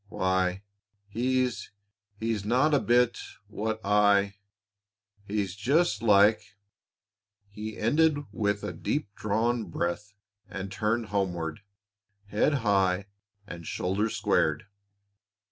"Why, he's he's not a bit what I He's just like " He ended with a deep drawn breath and turned homeward, head high and shoulders squared.